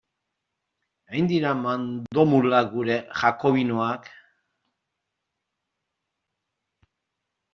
Hain dira mandomulak gure jakobinoak?